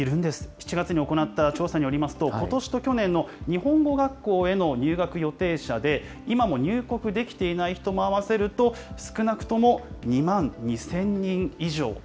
７月に行った調査によりますと、ことしと去年の日本語学校への入学予定者で、今も入国できていない人も合わせると、少なくとも２万２０００人以上。